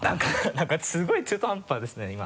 何かすごい中途半端ですね今。